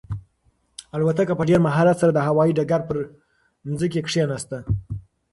الوتکه په ډېر مهارت سره د هوايي ډګر پر ځمکه کښېناسته.